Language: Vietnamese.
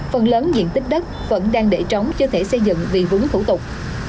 phần lớn diện tích đất vẫn đang để trống chưa thể xây dựng vì vướng thủ tục